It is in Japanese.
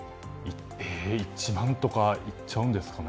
１万とかいっちゃうんですかね。